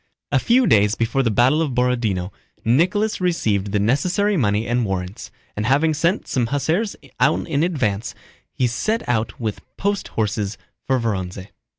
A few days before the battle of Borodinó, Nicholas received the necessary money and warrants, and having sent some hussars on in advance, he set out with post horses for Vorónezh.